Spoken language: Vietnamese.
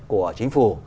của chính phủ